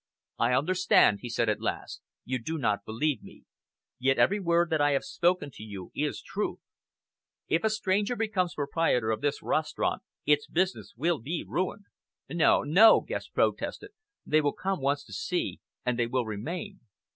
"I understand," he said at last. "You do not believe me. Yet every word that I have spoken to you is truth. If a stranger becomes proprietor of this restaurant, its business will be ruined." "No! no!" Guest protested. "They will come once to see, and they will remain.